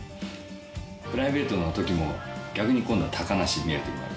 プライベートの時も逆に今度は高梨に見える時もある。